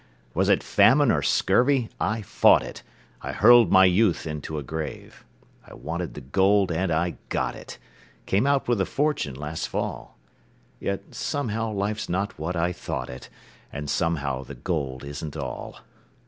Was it famine or scurvy I fought it; I hurled my youth into a grave. I wanted the gold, and I got it Came out with a fortune last fall, Yet somehow life's not what I thought it, And somehow the gold isn't all.